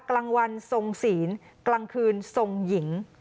กลางวันทรงศีลกลางคืนทรงหญิง